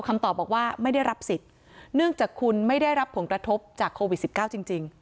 คำตอบบอกว่าไม่ได้รับสิทธิ์เนื่องจากคุณไม่ได้รับผลกระทบจากโควิด๑๙จริง